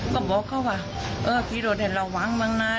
ก็บอกเขาว่าเออทีโร่เทียดเราหวังมากนาน